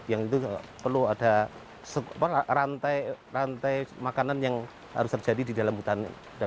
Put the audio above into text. yang itu perlu ada rantai makanan yang harus terjadi di dalam hutan